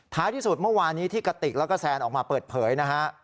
ที่สุดเมื่อวานี้ที่กระติกแล้วก็แซนออกมาเปิดเผยนะฮะ